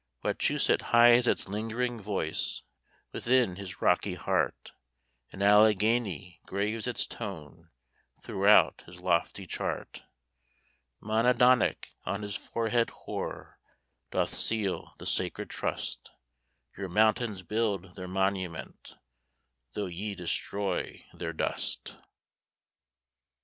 Wachusett hides its lingering voice Within his rocky heart, And Alleghany graves its tone Throughout his lofty chart; Monadnock on his forehead hoar Doth seal the sacred trust: Your mountains build their monument, Though ye destroy their dust.